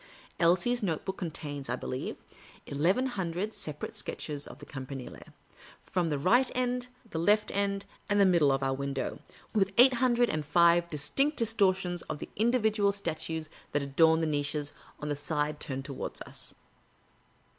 Elsie's note book contains, I believe, eleven hundred separate sketches of the Campanile, from the right end, the left end, and the middle of our window, with eight hundred and five distinct distortions of the individual statues that adorn its niches on the side turned towards us.